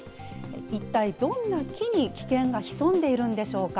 一体どんな木に危険が潜んでいるんでしょうか。